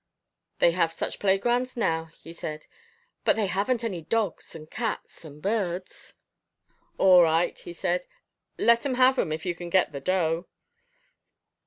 "They have such playgrounds now," he said. "But, they haven't any dogs, and cats and birds." "All right," he said, "let 'em have 'em, if you can get the dough."